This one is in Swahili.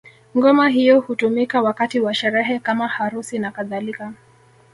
Ngoma hiyo hutumika wakati wa sherehe kama harusi na kadhalika